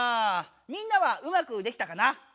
みんなはうまくできたかな？